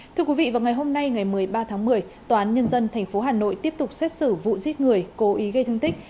thưa quý vị vào ngày hôm nay ngày một mươi ba tháng một mươi tòa án nhân dân tp hà nội tiếp tục xét xử vụ giết người cố ý gây thương tích